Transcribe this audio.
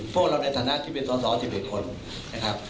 พวกเราในฐานะที่เป็นสองสองสิบเอ็กช์คน